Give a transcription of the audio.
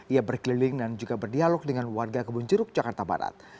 ia berkeliling dan juga berdialog dengan warga kebun jeruk jakarta barat